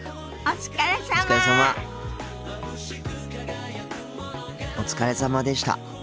お疲れさまでした。